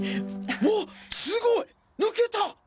わすごい！抜けた！